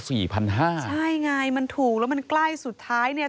ใช่ไงมันถูกแล้วมันใกล้สุดท้ายเนี่ย